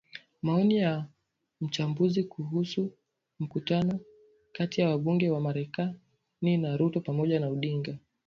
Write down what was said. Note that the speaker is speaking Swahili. Maoni ya mchambuzi kuhusu mkutano kati ya wabunge wa Marekani na Ruto pamoja na Odinga